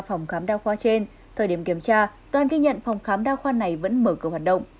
phòng khám đa khoa trên thời điểm kiểm tra đoàn ghi nhận phòng khám đa khoa này vẫn mở cửa hoạt động